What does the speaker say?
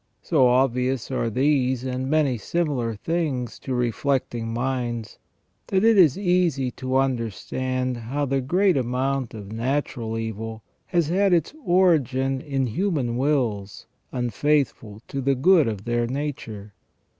So obvious are these and many similar things to reflecting minds, that it is easy to understand how the great amount of natural evil has had its origin in human wills, unfaithful to the good of their nature.